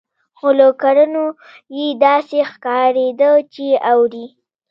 خو له کړنو يې داسې ښکارېده چې اوري.